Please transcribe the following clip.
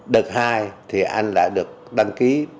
đợt hai thì anh lại được đăng ký